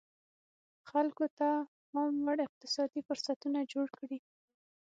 خلکو ته پاموړ اقتصادي فرصتونه جوړ کړي.